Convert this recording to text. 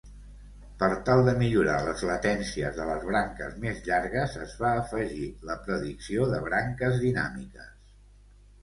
Per tal de millorar les latències de les branques més llargues, es va afegir la predicció de branques dinàmiques.